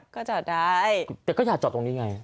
ก็จอดได้แต่ก็อยากจอดตรงนี้ไง